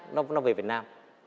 nó về việt nam